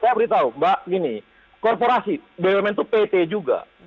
saya beritahu mbak gini korporasi bumn itu pt juga